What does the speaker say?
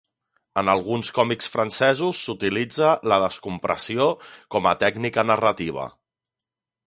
En alguns còmics francesos s'utilitza la descompressió com a tècnica narrativa.